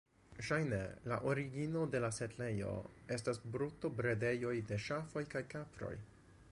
Ŝajne la origino de la setlejo estas brutobredejoj de ŝafoj kaj kaproj.